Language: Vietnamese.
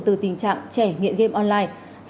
từ tình trạng trẻ nghiện game online